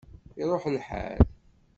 Iruḥ lḥal